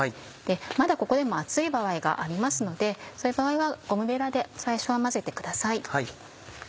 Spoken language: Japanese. まだここでも熱い場合がありますのでそういう場合はゴムベラで最初は混ぜてください。